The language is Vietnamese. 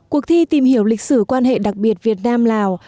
cuộc thi tìm hiểu lịch sử quan hệ đặc biệt việt nam lào